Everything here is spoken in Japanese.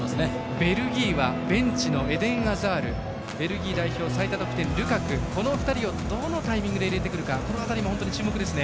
ベルギーはベンチのエデン・アザールベルギー代表最多得点、ルカクこの２人を、どのタイミングで入れてくるかが注目ですね。